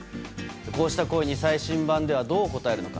こうした声に最新版ではどう答えるのか。